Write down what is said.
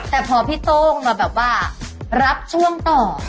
แต่พอพี่โต้งมาแบบว่ารับช่วงต่อ